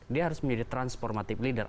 dia harus menjadi transformative leader